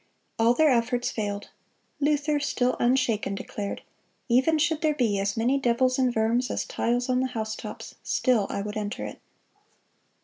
All their efforts failed; Luther, still unshaken, declared, "Even should there be as many devils in Worms as tiles on the housetops, still I would enter it."